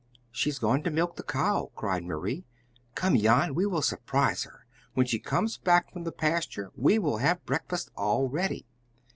"She's gone to milk the cow," cried Marie. "Come, Jan, we will surprise her! When she comes back from the pasture, we will have breakfast all ready."